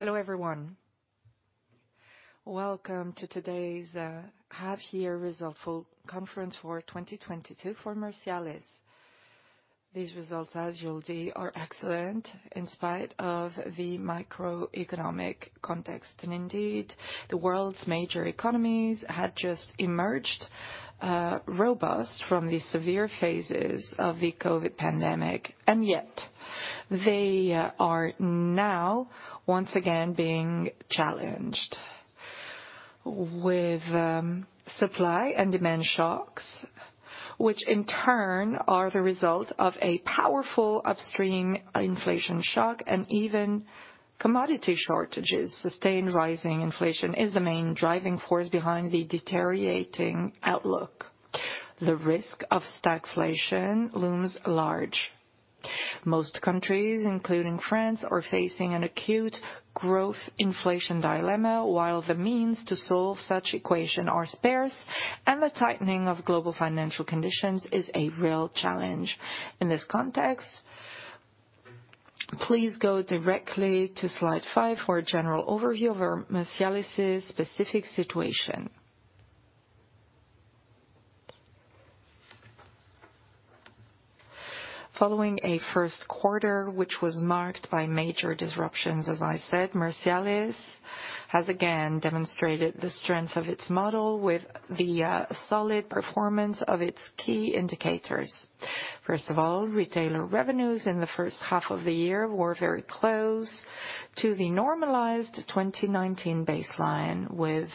Hello, everyone. Welcome to today's half-year results full conference for 2022 for Mercialys. These results, as you'll see, are excellent in spite of the macroeconomic context. Indeed, the world's major economies had just emerged robust from the severe phases of the COVID pandemic, and yet they are now once again being challenged with supply and demand shocks, which in turn are the result of a powerful upstream inflation shock and even commodity shortages. Sustained rising inflation is the main driving force behind the deteriorating outlook. The risk of stagflation looms large. Most countries, including France, are facing an acute growth inflation dilemma, while the means to solve such equation are sparse, and the tightening of global financial conditions is a real challenge. In this context, please go directly to slide 5 for a general overview of Mercialys' specific situation. Following a first quarter which was marked by major disruptions, as I said, Mercialys has again demonstrated the strength of its model with the solid performance of its key indicators. First of all, retailer revenues in the first half of the year were very close to the normalized 2019 baseline, with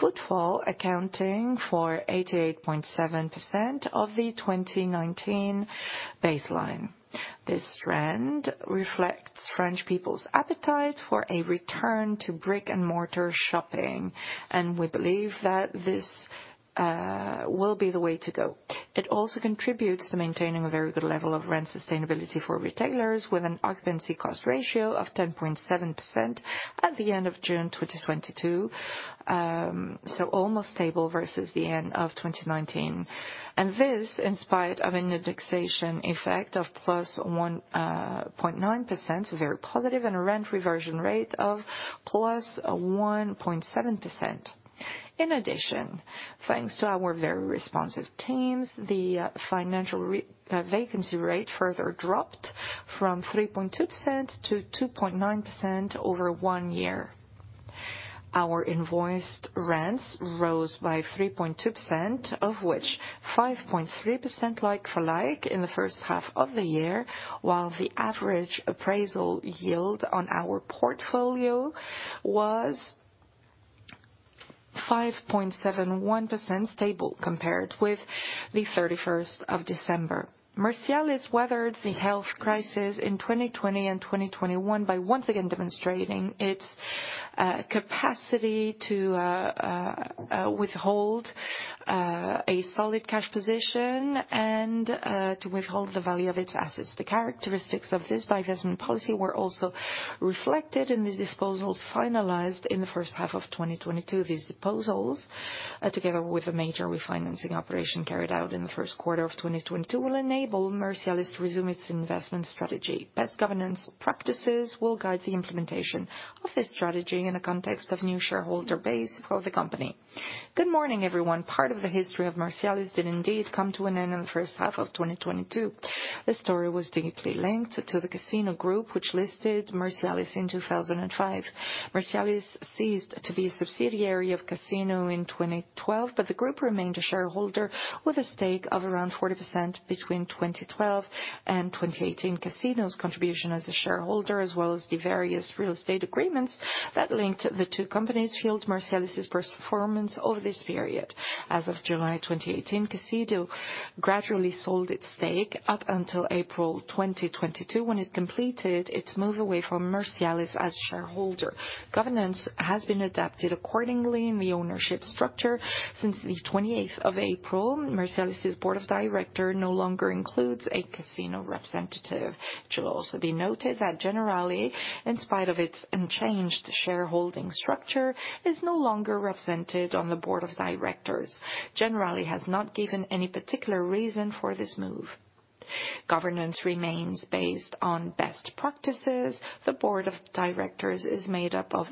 footfall accounting for 88.7% of the 2019 baseline. This trend reflects French people's appetite for a return to brick-and-mortar shopping, and we believe that this will be the way to go. It also contributes to maintaining a very good level of rent sustainability for retailers with an occupancy cost ratio of 10.7% at the end of June 2022, so almost stable versus the end of 2019. This, in spite of an indexation effect of +1.9%, very positive, and a rent reversion rate of +1.7%. In addition, thanks to our very responsive teams, the vacancy rate further dropped from 3.2% to 2.9% over one year. Our invoiced rents rose by 3.2%, of which 5.3% like-for-like in the first half of the year, while the average appraisal yield on our portfolio was 5.71%, stable compared with the 31st of December. Mercialys weathered the health crisis in 2020 and 2021 by once again demonstrating its capacity to hold a solid cash position and to hold the value of its assets. The characteristics of this divestment policy were also reflected in the disposals finalized in the first half of 2022. These disposals, together with a major refinancing operation carried out in the first quarter of 2022, will enable Mercialys to resume its investment strategy. Best governance practices will guide the implementation of this strategy in the context of new shareholder base for the company. Good morning, everyone. Part of the history of Mercialys did indeed come to an end in the first half of 2022. The story was deeply linked to the Casino Group, which listed Mercialys in 2005. Mercialys ceased to be a subsidiary of Casino in 2012, but the group remained a shareholder with a stake of around 40% between 2012 and 2018. Casino's contribution as a shareholder, as well as the various real estate agreements that linked the two companies, fueled Mercialys' performance over this period. As of July 2018, Casino gradually sold its stake up until April 2022, when it completed its move away from Mercialys as shareholder. Governance has been adapted accordingly in the ownership structure. Since the 28th of April, Mercialys' board of directors no longer includes a Casino representative. It should also be noted that Generali, in spite of its unchanged shareholding structure, is no longer represented on the board of directors. Generali has not given any particular reason for this move. Governance remains based on best practices. The board of directors is made up of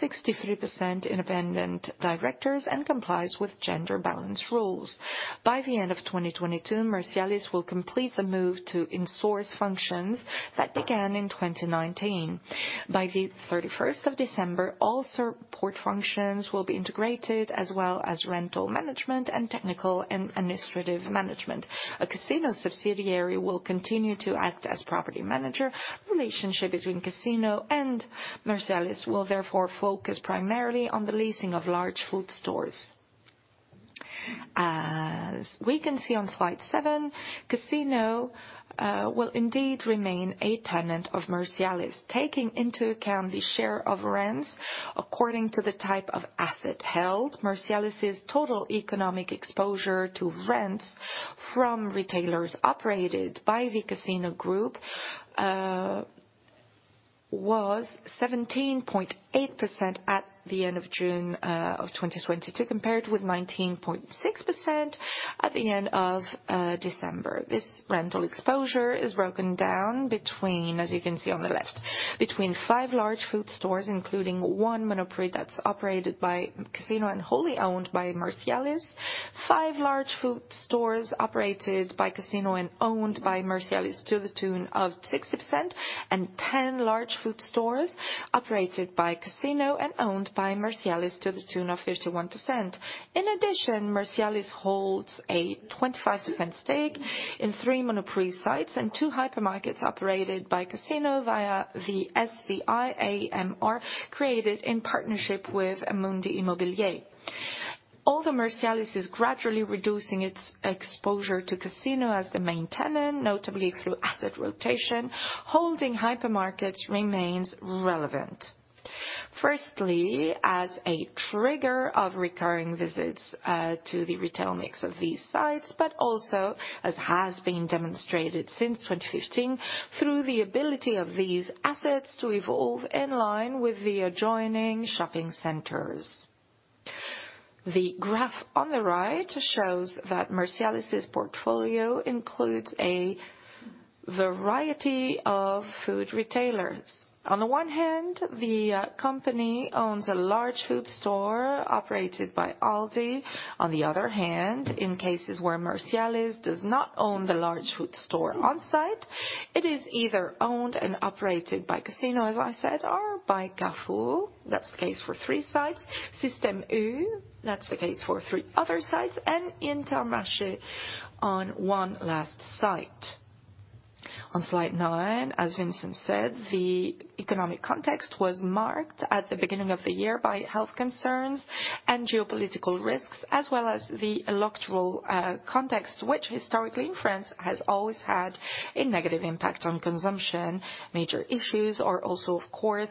63% independent directors and complies with gender balance rules. By the end of 2022, Mercialys will complete the move to in-source functions that began in 2019. By the 31st of December, all support functions will be integrated. As well as rental management and technical and administrative management. A Casino subsidiary will continue to act as property manager. The relationship between Casino and Mercialys will therefore focus primarily on the leasing of large food stores. As we can see on slide 7, Casino will indeed remain a tenant of Mercialys. Taking into account the share of rents according to the type of asset held, Mercialys' total economic exposure to rents from retailers operated by the Casino Group was 17.8% at the end of June 2022, compared with 19.6% at the end of December. This rental exposure is broken down, as you can see on the left, between five large food stores, including one Monoprix that's operated by Casino and wholly owned by Mercialys. Five large food stores operated by Casino and owned by Mercialys to the tune of 60%, and ten large food stores operated by Casino and owned by Mercialys to the tune of 51%. In addition, Mercialys holds a 25% stake in three Monoprix sites and two hypermarkets operated by Casino via the SCI AMR, created in partnership with Amundi Immobilier. Although Mercialys is gradually reducing its exposure to Casino as the main tenant, notably through asset rotation, holding hypermarkets remains relevant. Firstly, as a trigger of recurring visits to the retail mix of these sites, but also, as has been demonstrated since 2015, through the ability of these assets to evolve in line with the adjoining shopping centers. The graph on the right shows that Mercialys' portfolio includes a variety of food retailers. On the one hand, the company owns a large food store operated by Aldi. On the other hand, in cases where Mercialys does not own the large food store on site, it is either owned and operated by Casino, as I said, or by Carrefour. That's the case for three sites. Système U, that's the case for three other sites, and Intermarché on one last site. On slide 9, as Vincent said, the economic context was marked at the beginning of the year by health concerns and geopolitical risks, as well as the electoral context, which, historically in France, has always had a negative impact on consumption. Major issues are also, of course,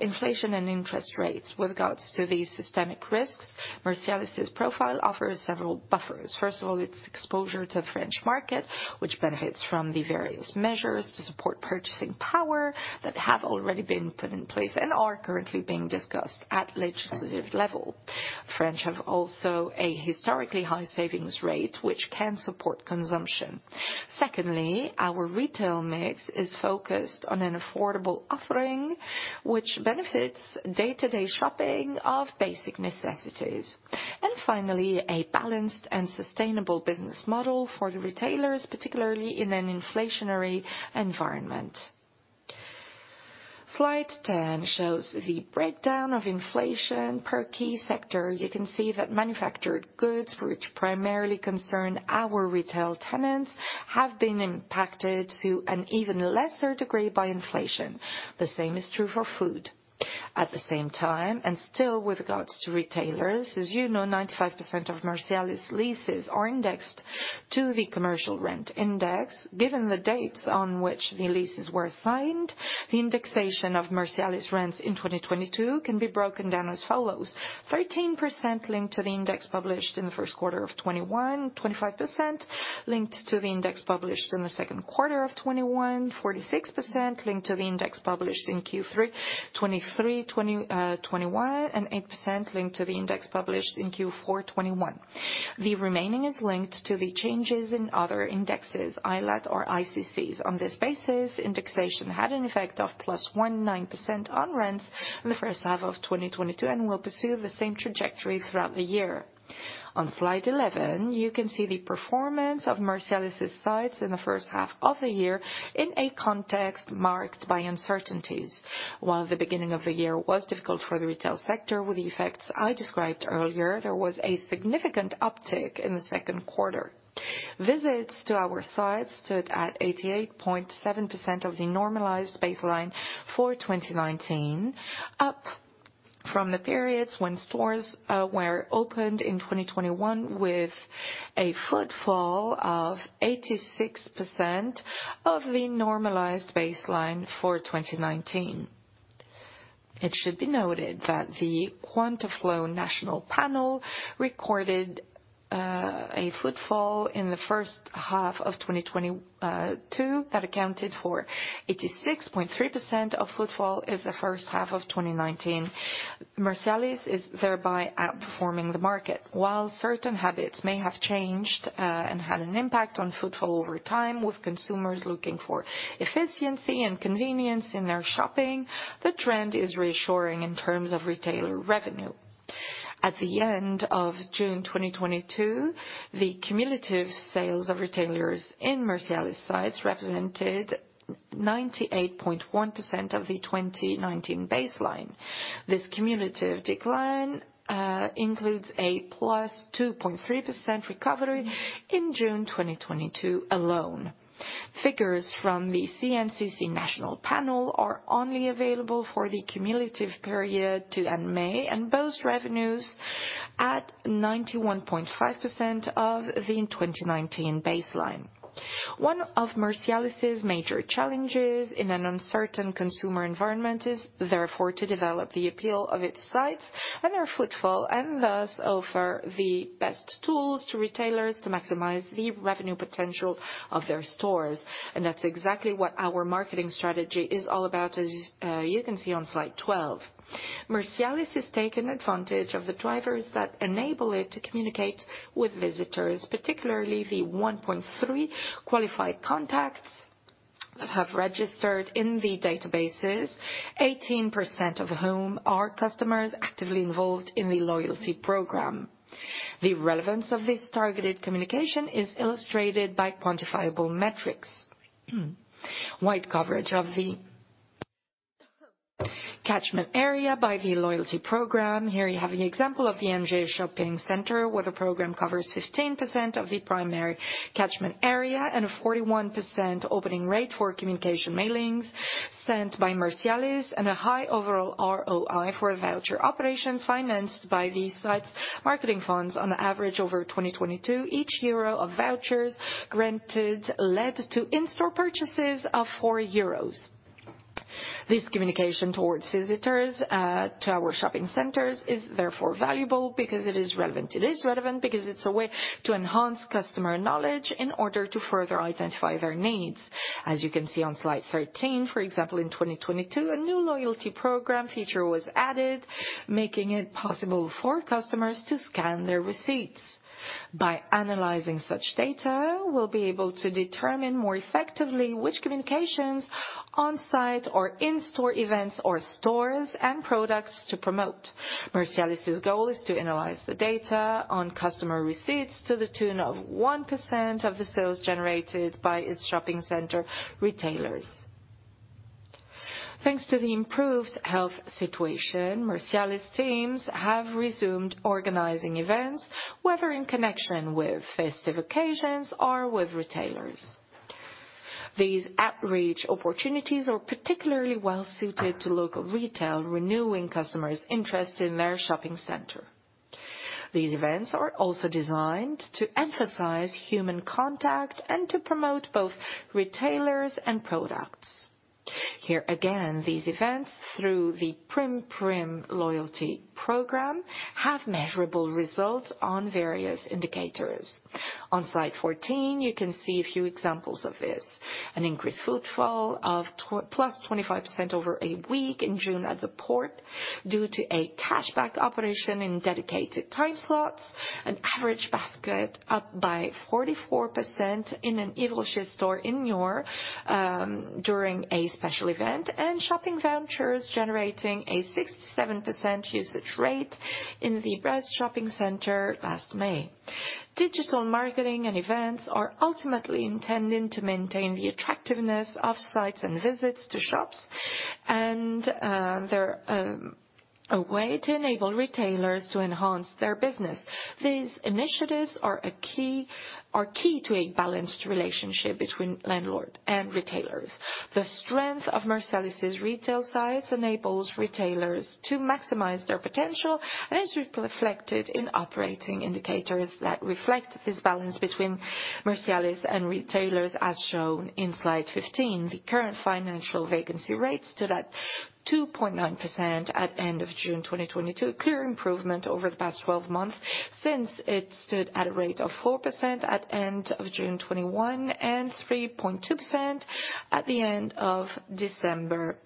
inflation and interest rates. With regards to these systemic risks, Mercialys' profile offers several buffers. First of all, its exposure to the French market, which benefits from the various measures to support purchasing power that have already been put in place and are currently being discussed at legislative level. The French have also a historically high savings rate, which can support consumption. Secondly, our retail mix is focused on an affordable offering, which benefits day-to-day shopping of basic necessities. Finally, a balanced and sustainable business model for the retailers, particularly in an inflationary environment. Slide 10 shows the breakdown of inflation per key sector. You can see that manufactured goods, which primarily concern our retail tenants, have been impacted to an even lesser degree by inflation. The same is true for food. At the same time, and still with regards to retailers, as you know, 95% of Mercialys leases are indexed to the Commercial Rent Index. Given the dates on which the leases were signed, the indexation of Mercialys rents in 2022 can be broken down as follows: 13% linked to the index published in the first quarter of 2021, 25% linked to the index published in the second quarter of 2021, 46% linked to the index published in Q3 2021, and 8% linked to the index published in Q4 2021. The remaining is linked to the changes in other indexes, ILAT or ICCs. On this basis, indexation had an effect of +1.9% on rents in the first half of 2022 and will pursue the same trajectory throughout the year. On slide 11, you can see the performance of Mercialys' sites in the first half of the year in a context marked by uncertainties. While the beginning of the year was difficult for the retail sector with the effects I described earlier, there was a significant uptick in the second quarter. Visits to our sites stood at 88.7% of the normalized baseline for 2019, up from the periods when stores were opened in 2021 with a footfall of 86% of the normalized baseline for 2019. It should be noted that the Quantaflow national panel recorded a footfall in the first half of 2022 that accounted for 86.3% of footfall in the first half of 2019. Mercialys is, thereby, outperforming the market. While certain habits may have changed and had an impact on footfall over time, with consumers looking for efficiency and convenience in their shopping, the trend is reassuring in terms of retailer revenue. At the end of June 2022, the cumulative sales of retailers in Mercialys sites represented 98.1% of the 2019 baseline. This cumulative decline includes a +2.3% recovery in June 2022 alone. Figures from the CNCC national panel are only available for the cumulative period to end May and boast revenues at 91.5% of the 2019 baseline. One of Mercialys' major challenges in an uncertain consumer environment is, therefore, to develop the appeal of its sites and their footfall, and, thus, offer the best tools to retailers to maximize the revenue potential of their stores. That's exactly what our marketing strategy is all about, as you can see on slide 12. Mercialys has taken advantage of the drivers that enable it to communicate with visitors, particularly the 1.3 qualified contacts that have registered in the databases, 18% of whom are customers actively involved in the loyalty program. The relevance of this targeted communication is illustrated by quantifiable metrics. Wide coverage of the catchment area by the loyalty program. Here you have an example of the Angers shopping center, where the program covers 15% of the primary catchment area and a 41% opening rate for communication mailings sent by Mercialys, and a high overall ROI for voucher operations financed by these sites' marketing funds. On average, over 2022, each euro of vouchers granted led to in-store purchases of 4 euros. This communication towards visitors to our shopping centers is, therefore, valuable because it is relevant. It is relevant because it's a way to enhance customer knowledge in order to further identify their needs. As you can see on slide 13, for example, in 2022, a new loyalty program feature was added, making it possible for customers to scan their receipts. By analyzing such data, we'll be able to determine more effectively which communications on site or in-store events or stores and products to promote. Mercialys' goal is to analyze the data on customer receipts to the tune of 1% of the sales generated by its shopping center retailers. Thanks to the improved health situation, Mercialys teams have resumed organizing events, whether in connection with festive occasions or with retailers. These outreach opportunities are particularly well suited to local retail, renewing customers' interest in their shopping center. These events are also designed to emphasize human contact and to promote both retailers and products. Here again, these events, through the Prim'Prim' loyalty program, have measurable results on various indicators. On slide 14, you can see a few examples of this. An increased footfall of +25% over a week in June at Le Port due to a cashback operation in dedicated time slots. An average basket up by 44% in an Yves Rocher store in Nord during a special event. Shopping vouchers generating a 67% usage rate in the Brest shopping center last May. Digital marketing and events are ultimately intending to maintain the attractiveness of sites and visits to shops. They're a way to enable retailers to enhance their business. These initiatives are key to a balanced relationship between landlord and retailers. The strength of Mercialys' retail sites enables retailers to maximize their potential and is reflected in operating indicators that reflect this balance between Mercialys and retailers, as shown in slide 15. The current financial vacancy rates stood at 2.9% at end of June 2022, a clear improvement over the past 12 months since it stood at a rate of 4% at end of June 2021 and 3.2% at the end of December 2021.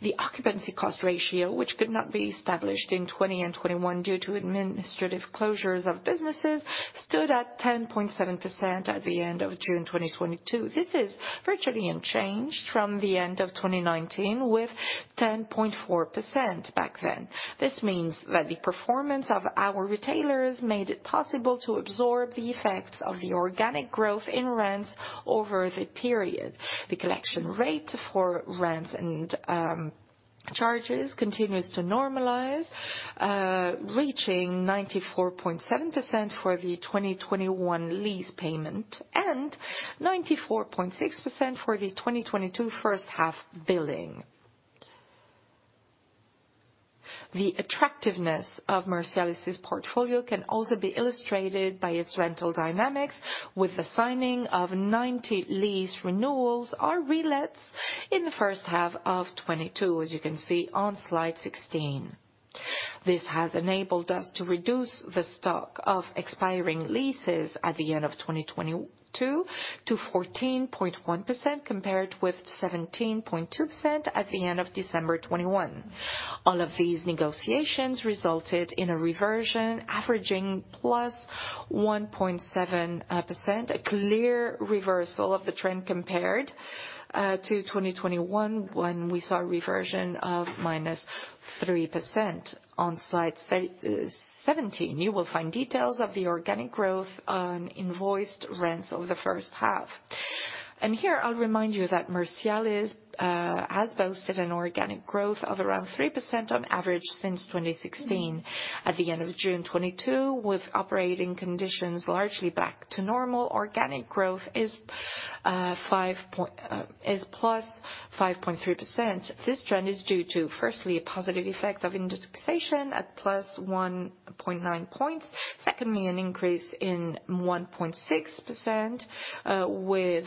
The occupancy cost ratio, which could not be established in 2021 due to administrative closures of businesses, stood at 10.7% at the end of June 2022. This is virtually unchanged from the end of 2019, with 10.4% back then. This means that the performance of our retailers made it possible to absorb the effects of the organic growth in rents over the period. The collection rate for rents and charges continues to normalize, reaching 94.7% for the 2021 lease payment and 94.6% for the 2022 first half billing. The attractiveness of Mercialys' portfolio can also be illustrated by its rental dynamics with the signing of 90 lease renewals or relets in the first half of 2022, as you can see on slide 16. This has enabled us to reduce the stock of expiring leases at the end of 2022 to 14.1% compared with 17.2% at the end of December 2021. All of these negotiations resulted in a reversion averaging +1.7%, a clear reversal of the trend compared to 2021, when we saw a reversion of -3%. On slide 17, you will find details of the organic growth on invoiced rents over the first half. Here, I'll remind you that Mercialys has boasted an organic growth of around 3% on average since 2016. At the end of June 2022, with operating conditions largely back to normal, organic growth is +5.3%. This trend is due to, firstly, a positive effect of indexation at +1.9 points. Secondly, an increase in 1.6%, with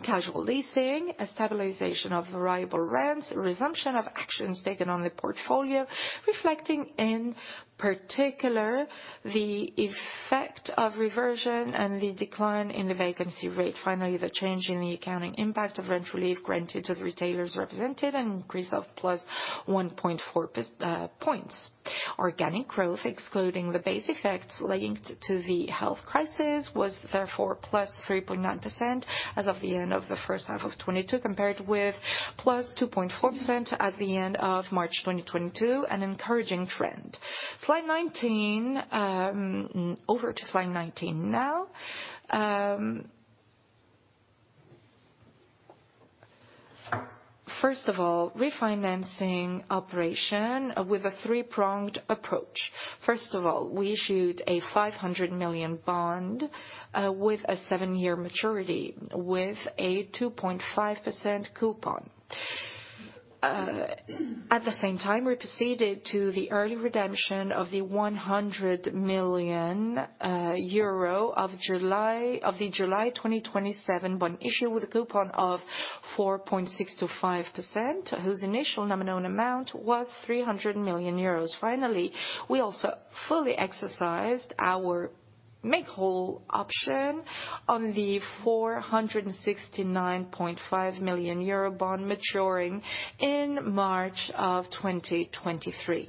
casual leasing, a stabilization of variable rents, resumption of actions taken on the portfolio, reflecting in particular the effect of reversion and the decline in the vacancy rate. Finally, the change in the accounting impact of rent relief granted to the retailers represented an increase of +1.4 percentage points. Organic growth, excluding the base effects linked to the health crisis, was therefore +3.9% as of the end of the first half of 2022, compared with +2.4% at the end of March 2022, an encouraging trend. Slide 19, over to slide 19 now. First of all, refinancing operation with a three-pronged approach. First of all, we issued a 500 million bond, with a seven-year maturity, with a 2.5% coupon. At the same time, we proceeded to the early redemption of the 100 million euro of July, of the July 2027 bond issue with a coupon of 4.6%-5%, whose initial nominal amount was 300 million euros. Finally, we also fully exercised our make-whole option on the 469.5 million euro bond maturing in March 2023.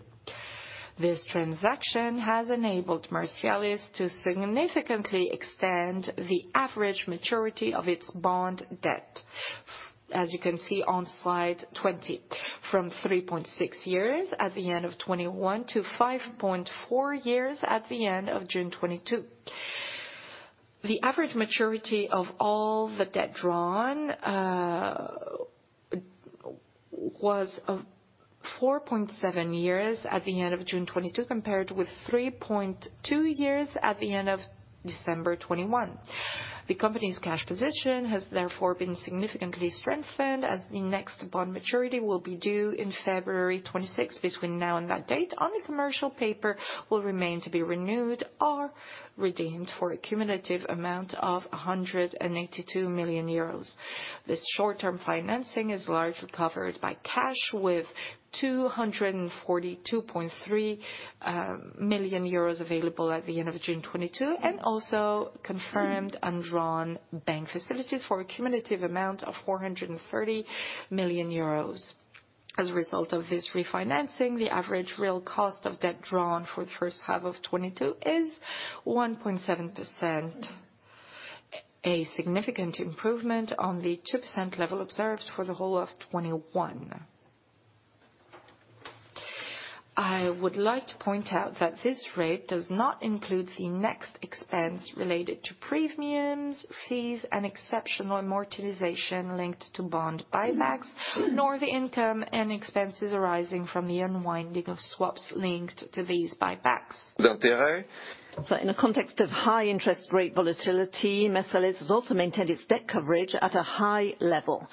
This transaction has enabled Mercialys to significantly extend the average maturity of its bond debt, as you can see on slide 20, from 3.6 years at the end of 2021 to 5.4 years at the end of June 2022. The average maturity of all the debt drawn was 4.7 years at the end of June 2022, compared with 3.2 years at the end of December 2021. The company's cash position has therefore been significantly strengthened, as the next bond maturity will be due in February 26th. Between now and that date, only commercial paper will remain to be renewed or redeemed for a cumulative amount of 182 million euros. This short-term financing is largely covered by cash with 242.3 million euros available at the end of June 2022, and also confirmed undrawn bank facilities for a cumulative amount of 430 million euros. As a result of this refinancing, the average real cost of debt drawn for the first half of 2022 is 1.7%, a significant improvement on the 2% level observed for the whole of 2021. I would like to point out that this rate does not include the next expense related to premiums, fees, and exceptional amortization linked to bond buybacks, nor the income and expenses arising from the unwinding of swaps linked to these buybacks. In the context of high interest rate volatility, Mercialys has also maintained its debt coverage at a high level.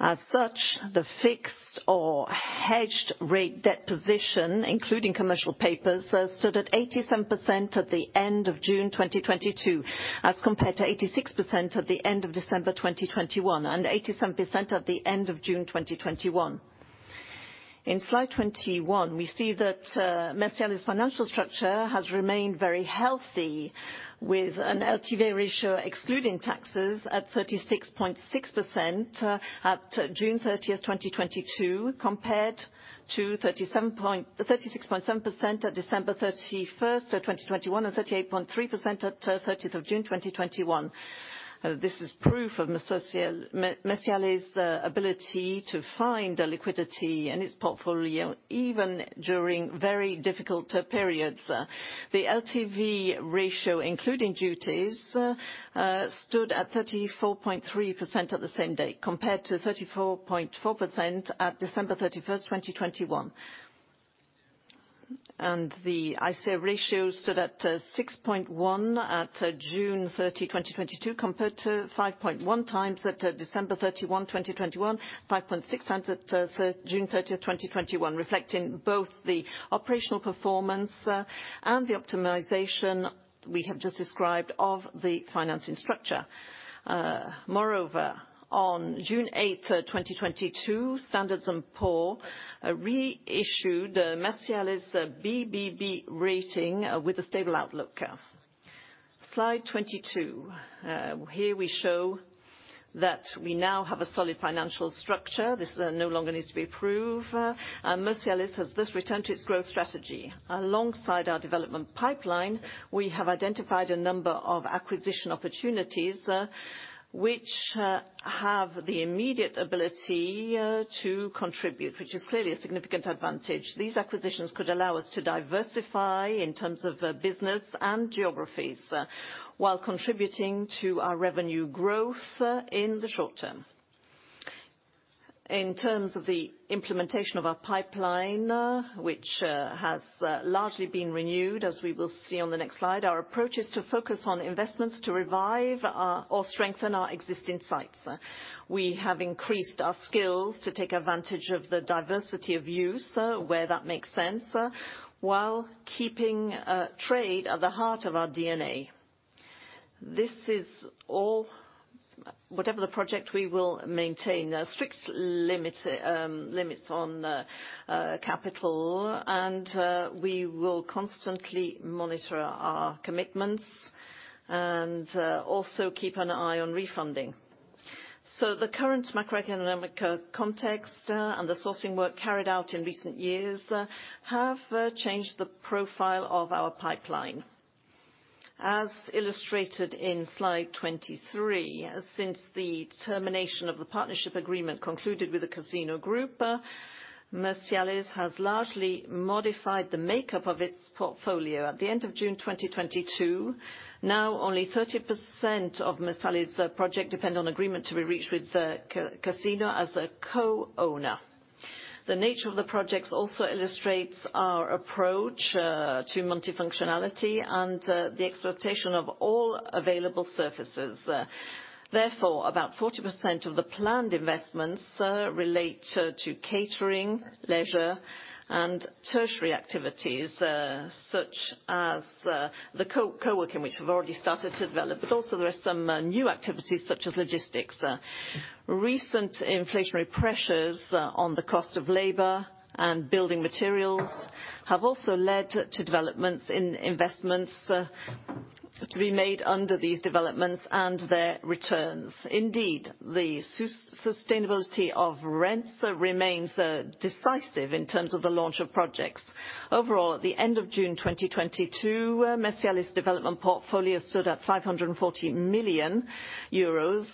As such, the fixed or hedged rate debt position, including commercial papers, stood at 87% at the end of June 2022, as compared to 86% at the end of December 2021, and 87% at the end of June 2021. In slide 21, we see that Mercialys' financial structure has remained very healthy, with an LTV ratio excluding taxes at 36.6% at June 30, 2022, compared to 36.7% at December 31, 2021, and 38.3% at June 30, 2021. This is proof of Mercialys' ability to find liquidity in its portfolio even during very difficult periods. The LTV ratio, including duties, stood at 34.3% at the same date, compared to 34.4% at December 31, 2021. The ICR ratio stood at 6.1x at June 30, 2022, compared to 5.1x at December 31, 2021, 5.6x at June 30, 2021, reflecting both the operational performance and the optimization we have just described of the financing structure. Moreover, on June 8, 2022, Standard & Poor's reissued Mercialys' BBB rating with a stable outlook. Slide 22. Here we show that we now have a solid financial structure. This no longer needs to be approved, and Mercialys has thus returned to its growth strategy. Alongside our development pipeline, we have identified a number of acquisition opportunities, which have the immediate ability to contribute, which is clearly a significant advantage. These acquisitions could allow us to diversify in terms of business and geographies, while contributing to our revenue growth in the short term. In terms of the implementation of our pipeline, which has largely been renewed, as we will see on the next slide, our approach is to focus on investments to revive or strengthen our existing sites. We have increased our skills to take advantage of the diversity of use, where that makes sense, while keeping trade at the heart of our DNA. This is all--Whatever the project, we will maintain strict limits on capital and we will constantly monitor our commitments and also keep an eye on refinancing. The current macroeconomic context and the sourcing work carried out in recent years have changed the profile of our pipeline. As illustrated in slide 23, since the termination of the partnership agreement concluded with the Casino Group, Mercialys has largely modified the makeup of its portfolio at the end of June 2022. Now, only 30% of Mercialys' projects depend on agreement to be reached with Casino as a co-owner. The nature of the projects also illustrates our approach to multifunctionality and the exploitation of all available surfaces. Therefore, about 40% of the planned investments relate to catering, leisure, and tertiary activities, such as co-working, which have already started to develop, but also there are some new activities such as logistics. Recent inflationary pressures on the cost of labor and building materials have also led to developments in investments to be made under these developments and their returns. Indeed, the sustainability of rents remains decisive in terms of the launch of projects. Overall, at the end of June 2022, Mercialys development portfolio stood at 540 million euros,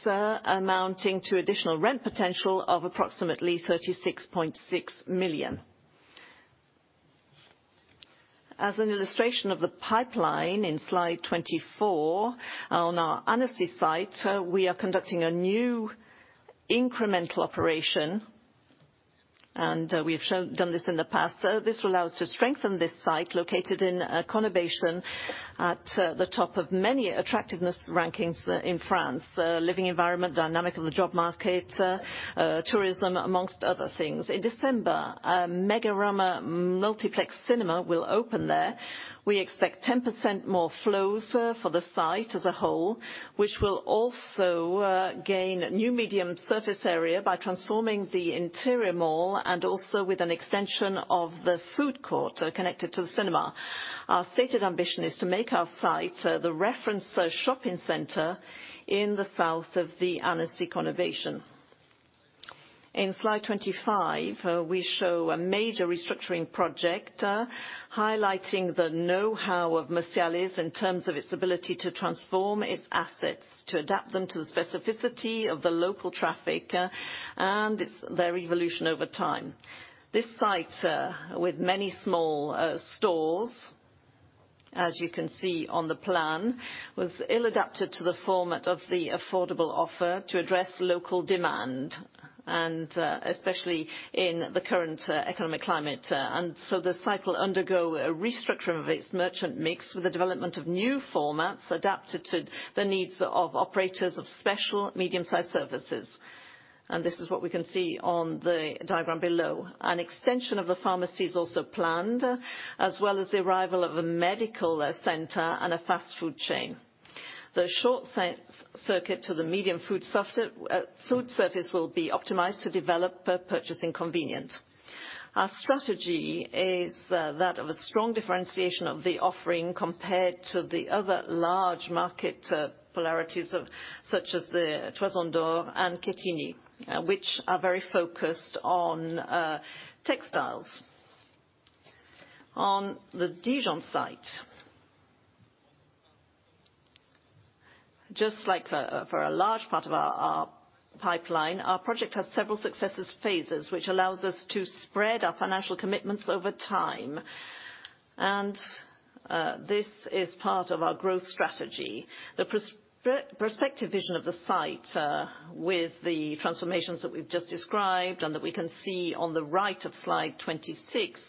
amounting to additional rent potential of approximately 36.6 million. As an illustration of the pipeline in slide 24, on our Annecy site, we are conducting a new incremental operation, and we've done this in the past. This will allow us to strengthen this site located in a conurbation at the top of many attractiveness rankings in France. Living environment, dynamic of the job market, tourism, amongst other things. In December, a Megarama multiplex cinema will open there. We expect 10% more flows for the site as a whole, which will also gain new medium surface area by transforming the interior mall and also with an extension of the food court connected to the cinema. Our stated ambition is to make our site the reference shopping center in the south of the Annecy conurbation. In slide 25, we show a major restructuring project highlighting the know-how of Mercialys in terms of its ability to transform its assets, to adapt them to the specificity of the local traffic and their evolution over time. This site, with many small stores, as you can see on the plan, was ill-adapted to the format of the affordable offer to address local demand, and especially in the current economic climate. The site will undergo a restructuring of its merchant mix with the development of new formats adapted to the needs of operators of special medium-sized services. This is what we can see on the diagram below. An extension of the pharmacy is also planned, as well as the arrival of a medical center and a fast food chain. The short distance circuit to the food service will be optimized to develop purchasing convenience. Our strategy is that of a strong differentiation of the offering compared to the other large market polarities of, such as the Toison d'Or and Quetigny, which are very focused on textiles. On the Dijon site, just like for a large part of our pipeline, our project has several successive phases, which allows us to spread our financial commitments over time. This is part of our growth strategy. The perspective vision of the site, with the transformations that we've just described and that we can see on the right of slide 26,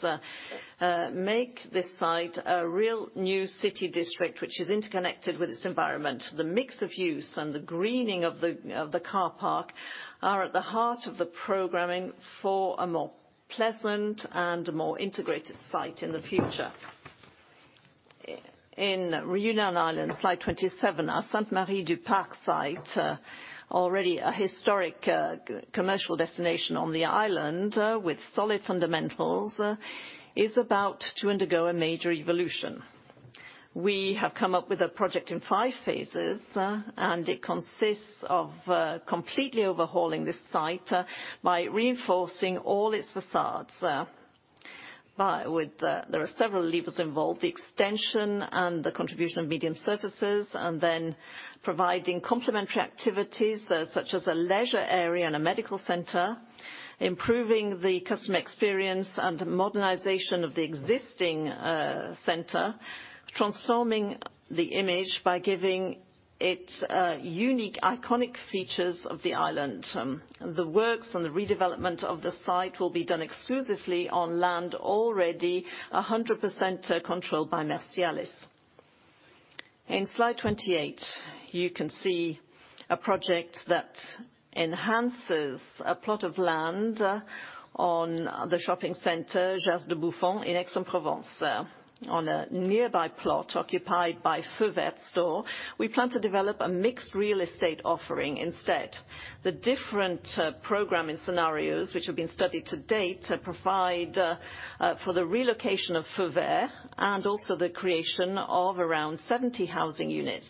make this site a real new city district, which is interconnected with its environment. The mix of use and the greening of the car park are at the heart of the programming for a more pleasant and more integrated site in the future. In Réunion Island, slide 27, our Sainte-Marie Duparc site, already a historic commercial destination on the island, with solid fundamentals, is about to undergo a major evolution. We have come up with a project in five phases, and it consists of completely overhauling this site by reinforcing all its facades. There are several levers involved, the extension and the contribution of medium surfaces, and then providing complementary activities, such as a leisure area and a medical center, improving the customer experience and modernization of the existing center, transforming the image by giving it unique iconic features of the island. The works and the redevelopment of the site will be done exclusively on land already 100% controlled by Mercialys. In slide 28, you can see a project that enhances a plot of land on the shopping center, Jas de Bouffan, in Aix-en-Provence. On a nearby plot occupied by Feu Vert store, we plan to develop a mixed real estate offering instead. The different programming scenarios which have been studied to date provide for the relocation of Feu Vert and also the creation of around 70 housing units.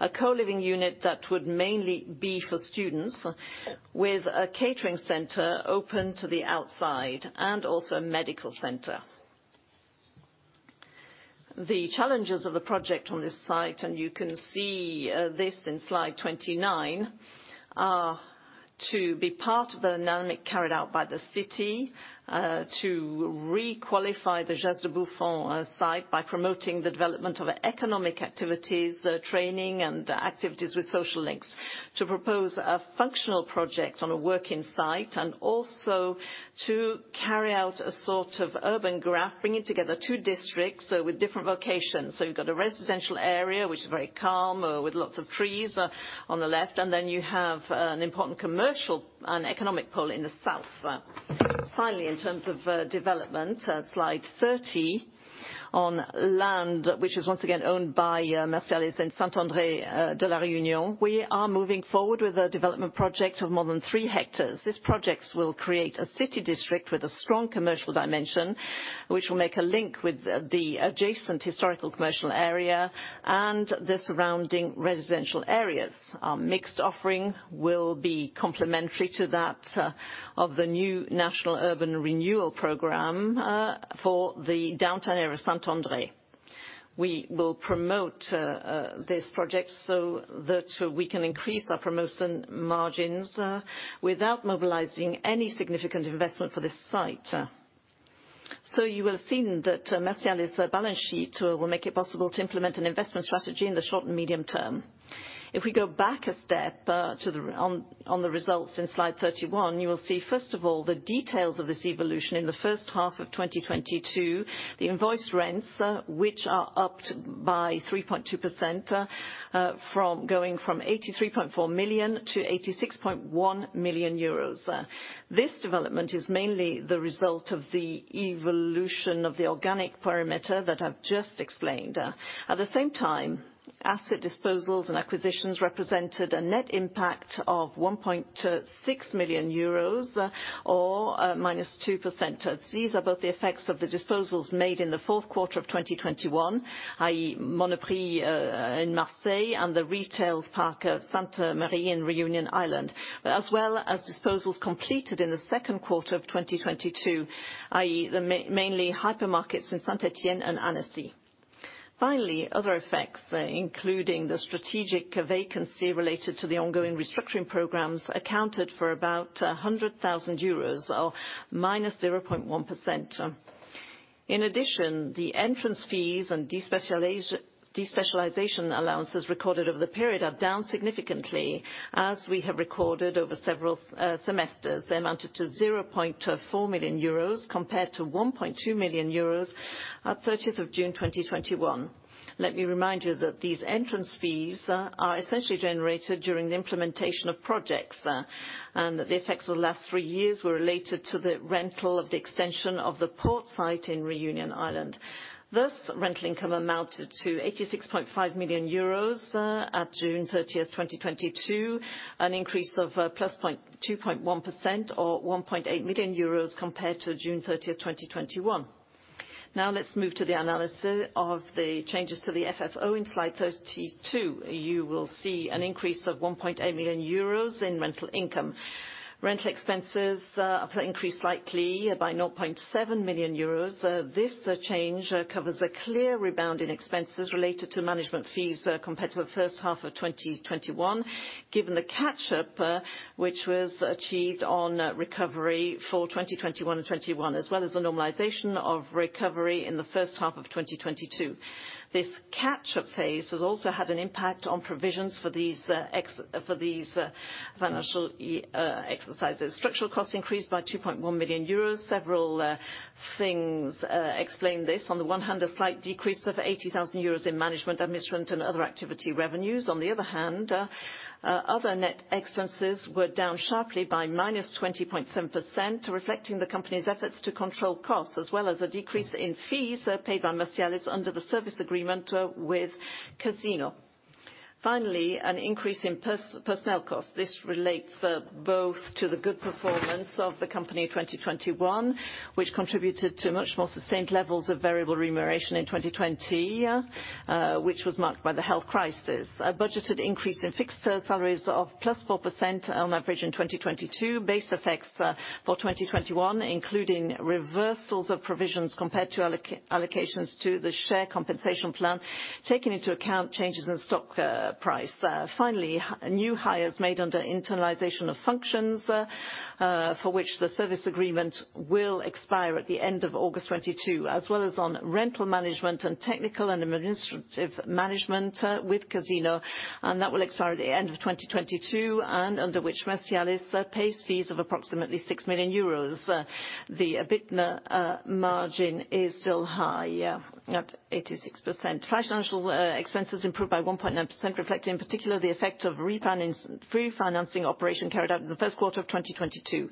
A co-living unit that would mainly be for students with a catering center open to the outside, and also a medical center. The challenges of the project on this site, and you can see this in slide 29, are to be part of the dynamic carried out by the city to requalify the Jas de Bouffan site by promoting the development of economic activities, training and activities with social links. To propose, a functional project on a working site, and also to carry out a sort of urban graft, bringing together two districts, with different vocations. You've got a residential area, which is very calm, with lots of trees, on the left, and then you have, an important commercial and economic pole in the south. Finally, in terms of, development, slide 30, on land, which is once again owned by, Mercialys in Saint-André, De La Réunion, we are moving forward with a development project of more than 3 hectares. These projects will create a city district with a strong commercial dimension, which will make a link with the adjacent historical commercial area and the surrounding residential areas. Our mixed offering will be complementary to that, of the new national urban renewal program, for the downtown area of Saint-André. We will promote this project so that we can increase our promotion margins without mobilizing any significant investment for this site. You will have seen that Mercialys' balance sheet will make it possible to implement an investment strategy in the short and medium term. If we go back a step to the results in slide 31, you will see, first of all, the details of this evolution in the first half of 2022, the invoice rents, which are up by 3.2%, from 83.4 million to 86.1 million euros. This development is mainly the result of the evolution of the organic perimeter that I've just explained. At the same time, asset disposals and acquisitions represented a net impact of 1.6 million euros or -2%. These are both the effects of the disposals made in the fourth quarter of 2021, i.e., Monoprix in Marseille and the retail park of Sainte-Marie in Réunion Island, as well as disposals completed in the second quarter of 2022, i.e., the mainly hypermarkets in Saint-Étienne and Annecy. Finally, other effects, including the strategic vacancy related to the ongoing restructuring programs, accounted for about 100 thousand euros or -0.1%. In addition, the entrance fees and despecialization allowances recorded over the period are down significantly as we have recorded over several semesters. They amounted to 0.4 million euros compared to 1.2 million euros at 30th June 2021. Let me remind you that these entrance fees are essentially generated during the implementation of projects, and that the effects of the last three years were related to the rental of the extension of Le Port site in Réunion Island. Rental income amounted to 86.5 million euros at June 30, 2022, an increase of +2.1% or 1.8 million euros compared to June 30, 2021. Let's move to the analysis of the changes to the FFO in slide 32. You will see an increase of 1.8 million euros in rental income. Rental expenses have increased slightly by 0.7 million euros. This change covers a clear rebound in expenses related to management fees, compared to the first half of 2021, given the catch-up which was achieved on recovery for 2021, as well as the normalization of recovery in the first half of 2022. This catch-up phase has also had an impact on provisions for these financial exercises. Structural costs increased by 2.1 million euros. Several things explain this. On the one hand, a slight decrease of 80,000 euros in management, administration, and other activity revenues. On the other hand, other net expenses were down sharply by -20.7%, reflecting the company's efforts to control costs, as well as a decrease in fees paid by Mercialys under the service agreement with Casino. Finally, an increase in personnel costs. This relates both to the good performance of the company in 2021, which contributed to much more sustained levels of variable remuneration in 2020, which was marked by the health crisis. A budgeted increase in fixed salaries of +4% on average in 2022. Base effects for 2021, including reversals of provisions compared to allocations to the share compensation plan, taking into account changes in stock price. Finally, new hires made under internalization of functions for which the service agreement will expire at the end of August 2022, as well as on rental management and technical and administrative management with Casino, and that will expire at the end of 2022, and under which Mercialys pays fees of approximately 6 million euros. The EBITDA margin is still high at 86%. Financial expenses improved by 1.9%, reflecting in particular the effect of refinancing operation carried out in the first quarter of 2022.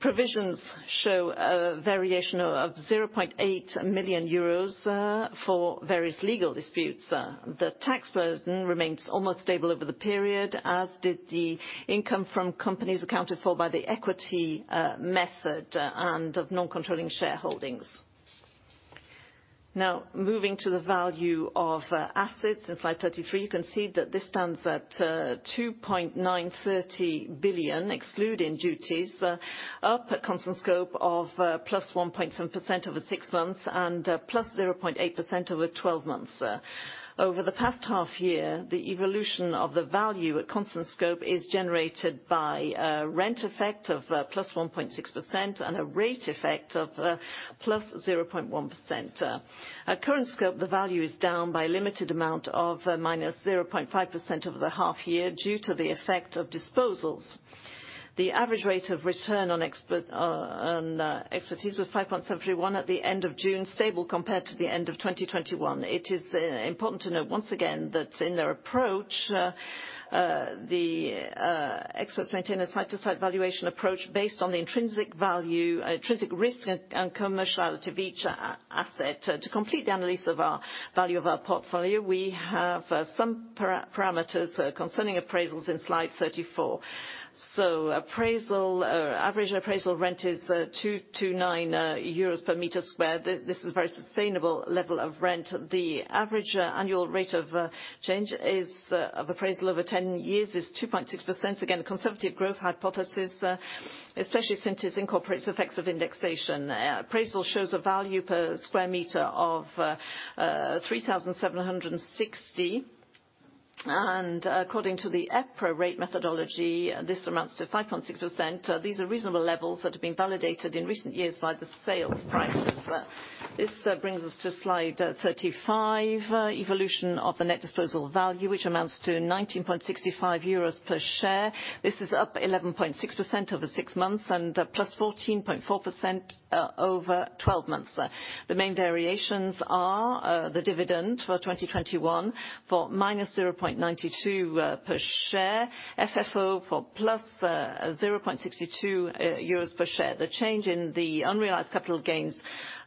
Provisions show a variation of 0.8 million euros for various legal disputes. The tax burden remains almost stable over the period, as did the income from companies accounted for by the equity method and of non-controlling shareholdings. Now, moving to the value of assets in slide 33, you can see that this stands at 2.930 billion excluding duties, up at constant scope of +1.7% over six months and +0.8% over twelve months. Over the past half year, the evolution of the value at constant scope is generated by rent effect of +1.6% and a rate effect of +0.1%. At current scope, the value is down by a limited amount of -0.5% over the half year due to the effect of disposals. The average rate of return on expertise was 5.71 at the end of June, stable compared to the end of 2021. It is important to note once again that in their approach, the experts maintain a site-to-site valuation approach based on the intrinsic value, intrinsic risk and commerciality of each asset. To complete the analysis of the value of our portfolio, we have some parameters concerning appraisals in slide 34. The average appraisal rent is 2-9 euros per sq m. This is a very sustainable level of rent. The average annual rate of change of appraisal over 10 years is 2.6%. Again, conservative growth hypothesis, especially since it incorporates effects of indexation. The appraisal shows a value per sq m of 3,760. According to the EPRA rate methodology, this amounts to 5.6%. These are reasonable levels that have been validated in recent years by the sales prices. This brings us to slide 35, evolution of the net disposal value, which amounts to 19.65 euros per share. This is up 11.6% over six months and +14.4% over 12 months. The main variations are the dividend for 2021 for -0.92 per share, FFO for +0.62 euros per share. The change in the unrealized capital gains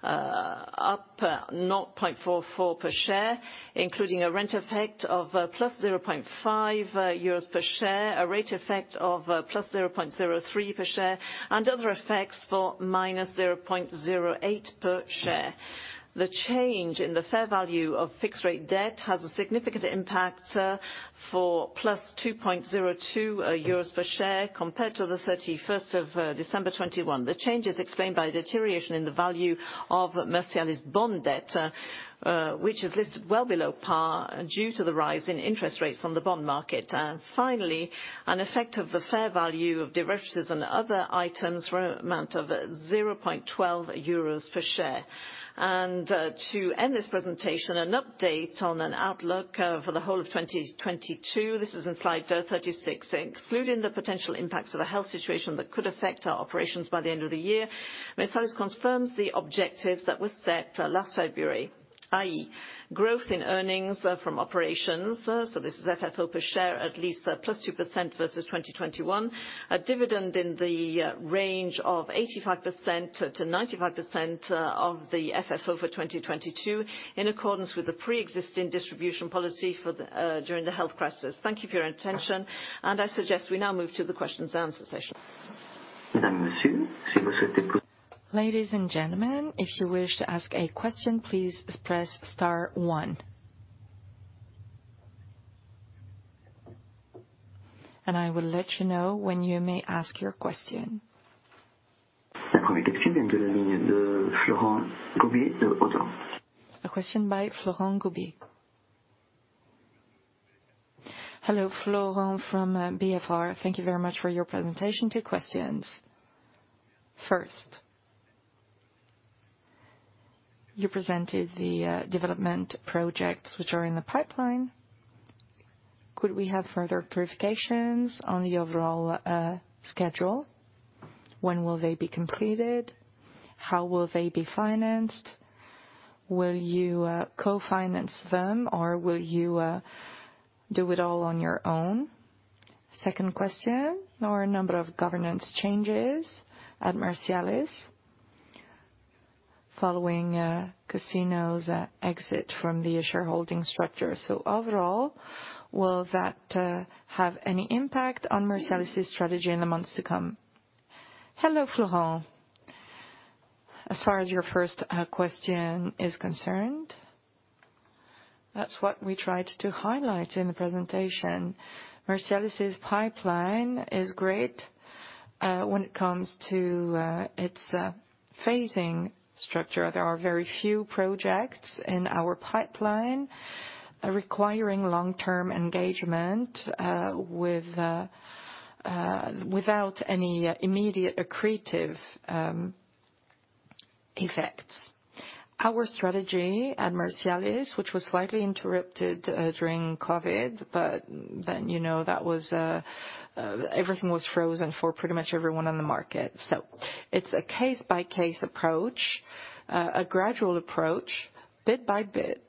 up 0.44 per share, including a rent effect of +0.5 euros per share, a rate effect of +0.03 per share, and other effects for -0.08 per share. The change in the fair value of fixed rate debt has a significant impact, for +2.02 euros per share compared to the 31st of December 2021. The change is explained by the deterioration in the value of Mercialys bond debt, which is listed well below par due to the rise in interest rates on the bond market. Finally, an effect of the fair value of derivatives and other items for amount of 0.12 euros per share. To end this presentation, an update on an outlook, for the whole of 2022. This is in Slide 36. Excluding the potential impacts of the health situation that could affect our operations by the end of the year, Mercialys confirms the objectives that were set last February, i.e., growth in earnings from operations, so this is FFO per share, at least +2% versus 2021. A dividend in the range of 85%-95% of the FFO for 2022, in accordance with the preexisting distribution policy for the, during the health crisis. Thank you for your attention, and I suggest we now move to the questions-and-answer session. Ladies and gentlemen, if you wish to ask a question, please press star one. I will let you know when you may ask your question. A question by Florent Joubert. Hello, Florent from BHF. Thank you very much for your presentation. Two questions. First, you presented the development projects which are in the pipeline. Could we have further clarifications on the overall schedule? When will they be completed? How will they be financed? Will you co-finance them, or will you do it all on your own? Second question. There were a number of governance changes at Mercialys following Casino's exit from the shareholding structure. Overall, will that have any impact on Mercialys' strategy in the months to come? Hello, Florent. As far as your first question is concerned, that's what we tried to highlight in the presentation. Mercialys' pipeline is great, when it comes to its phasing structure. There are very few projects in our pipeline requiring long-term engagement without any immediate accretive effects. Our strategy at Mercialys, which was slightly interrupted during COVID, but then, you know, that was, everything was frozen for pretty much everyone on the market. It's a case-by-case approach, a gradual approach, bit by bit.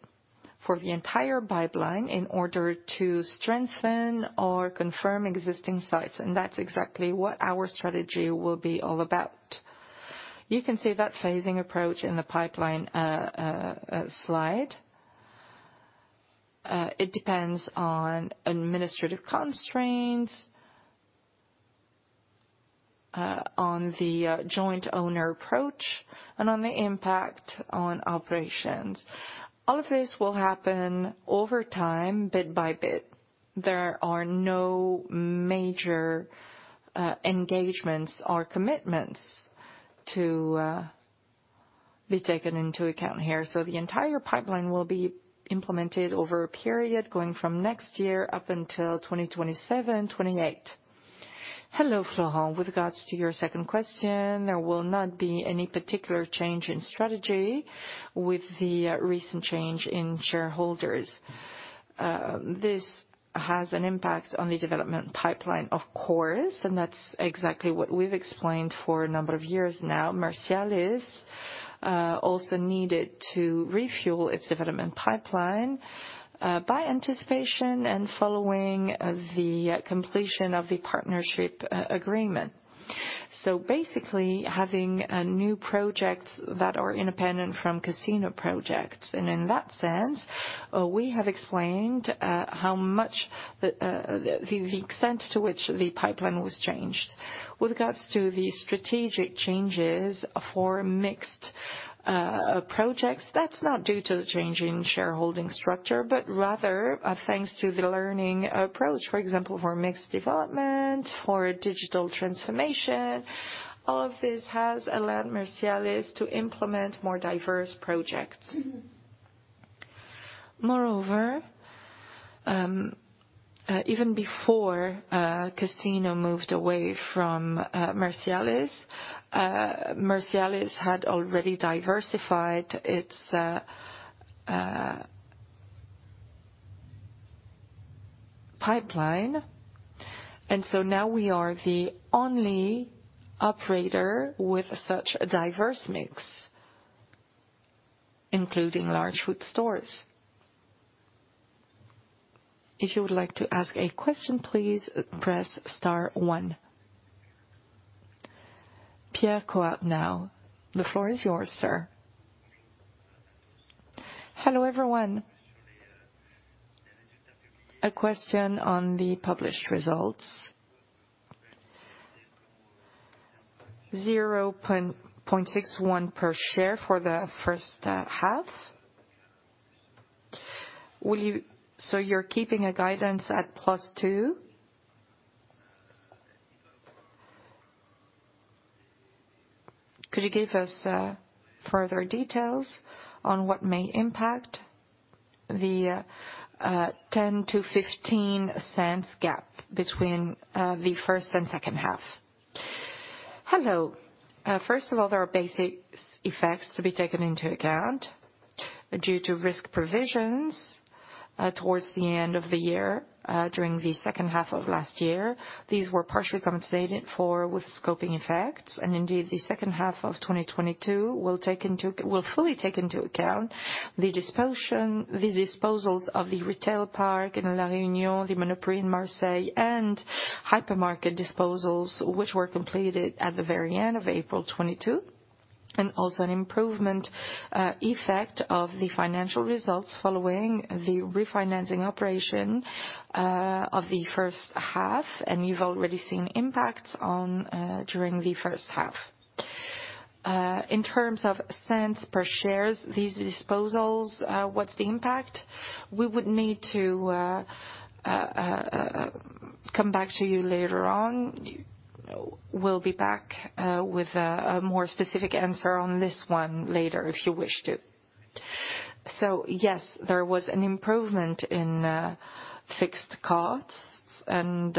For the entire pipeline, in order to strengthen or confirm existing sites, and that's exactly what our strategy will be all about. You can see that phasing approach in the pipeline slide. It depends on administrative constraints, on the joint owner approach and on the impact on operations. All of this will happen over time, bit by bit. There are no major engagements or commitments to be taken into account here. The entire pipeline will be implemented over a period going from next year up until 2027, 2028. Hello, Florent. With regards to your second question, there will not be any particular change in strategy with the recent change in shareholders. This has an impact on the development pipeline, of course, and that's exactly what we've explained for a number of years now. Mercialys also needed to refuel its development pipeline by anticipation and following the completion of the partnership agreement. Basically, having new projects that are independent from Casino projects. In that sense, we have explained how much the extent to which the pipeline was changed. With regards to the strategic changes for mixed projects, that's not due to the change in shareholding structure, but rather thanks to the learning approach. For example, for mixed development, for digital transformation, all of this has allowed Mercialys to implement more diverse projects. Moreover, even before Casino moved away from Mercialys, Mercialys had already diversified its pipeline. Now, we are the only operator with such a diverse mix, including large food stores. If you would like to ask a question, please press star one. Pierre Clouard, now the floor is yours, sir. Hello, everyone. A question on the published results. 0.61 per share for the first half. You're keeping a guidance at +2. Could you give us further details on what may impact the 0.10-0.15 gap between the first and second half? Hello. First of all, there are scope effects to be taken into account due to risk provisions towards the end of the year during the second half of last year. These were partially compensated for with scope effects. Indeed, the second half of 2022 will fully take into account the disposals of the Retail Park in La Réunion, the Monoprix in Marseille, and hypermarket disposals, which were completed at the very end of April 2022, and also an improvement effect of the financial results following the refinancing operation of the first half. You've already seen impacts on during the first half. In terms of cents per share, these disposals, what's the impact? We would need to come back to you later on. We'll be back with a more specific answer on this one later if you wish to. Yes, there was an improvement in fixed costs, and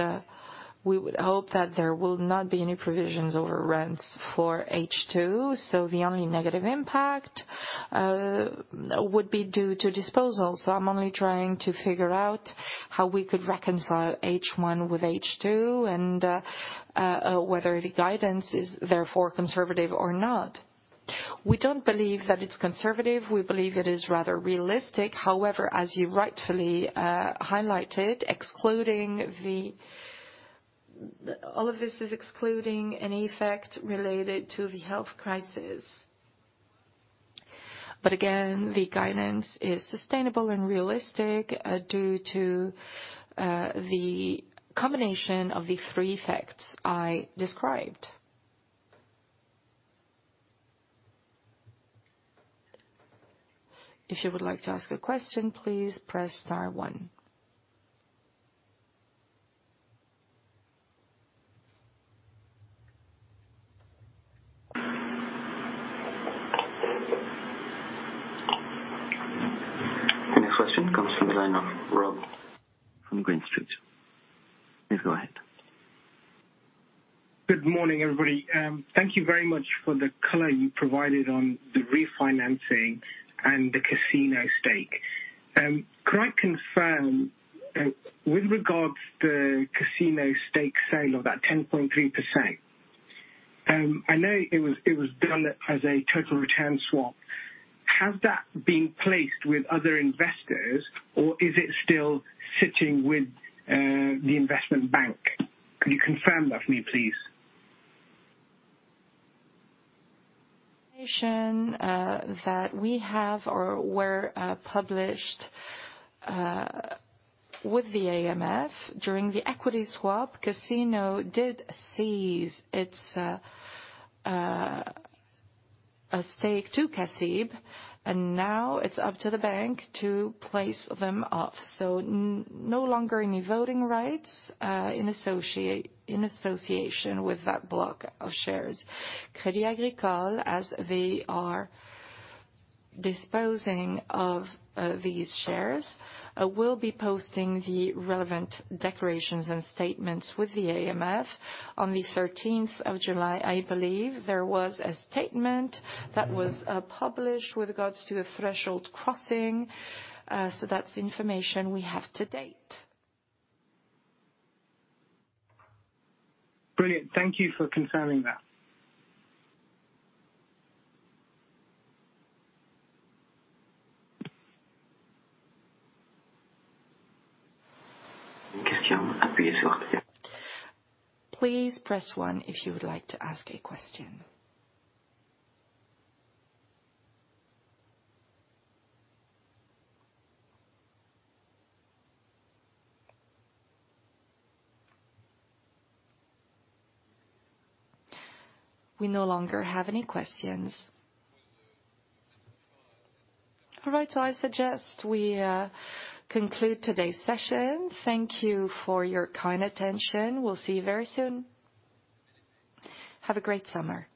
we would hope that there will not be any provisions over rents for H2. The only negative impact would be due to disposals. I'm only trying to figure out how we could reconcile H1 with H2 and whether the guidance is therefore conservative or not. We don't believe that it's conservative. We believe it is rather realistic. However, as you rightfully highlighted, all of this is excluding an effect related to the health crisis. Again, the guidance is sustainable and realistic due to the combination of the three effects I described. If you would like to ask a question, please press star one. The next question comes from the line of Rob from Green Street. Please go ahead. Good morning, everybody. Thank you very much for the color you provided on the refinancing and the Casino stake. Could I confirm with regards to Casino stake sale of that 10.3%? I know it was done as a total return swap. Has that been placed with other investors or is it still sitting with the investment bank? Could you confirm that for me, please? That we have or were published with the AMF during the equity swap. Casino did cede its stake to CACIB, and now it's up to the bank to place them off. No longer any voting rights in association with that block of shares. Crédit Agricole, as they are disposing of these shares, will be posting the relevant declarations and statements with the AMF. On the 13th of July, I believe there was a statement that was published with regards to the threshold crossing. That's the information we have to date. Brilliant. Thank you for confirming that. Please press one if you would like to ask a question. We no longer have any questions. All right, I suggest we conclude today's session. Thank you for your kind attention. We'll see you very soon. Have a great summer.